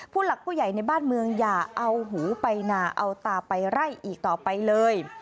ผู้หลักผู้ใหญ่ในบ้านเมืองอย่าเอาหูไปนาเอาตาไปไล่อีกต่อไปเลย